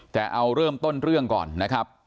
แต่เอาเริ่มต้นเรื่องก่อนนะครับ